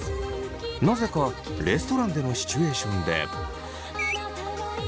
なぜかレストランでのシチュエーションで。